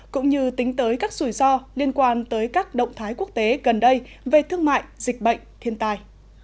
cũng như tính tới các rủi ro liên quan tới các động thái quốc tế gần đây về thương mại dịch bệnh thiên tai